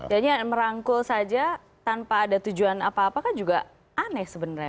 jadi yang merangkul saja tanpa ada tujuan apa apa kan juga aneh sebenarnya